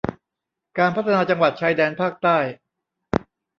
การพัฒนาจังหวัดชายแดนภาคใต้